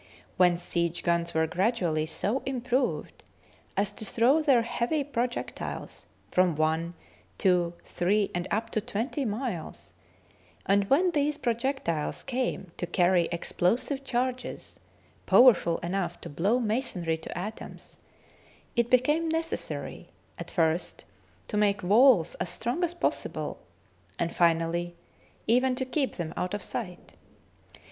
When siege guns were gradually so improved as to throw their heavy pro jectiles from one, two, three, and up to twenty miles, and when these projectiles came to carry ex plosive charges powerful enough to blow masonry to atoms, it became necessary at first to make walls as strong as possible, and finally even to keep them out of sight.